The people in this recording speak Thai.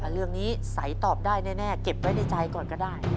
เรื่องนี้ใสตอบได้แน่เก็บไว้ในใจก่อนก็ได้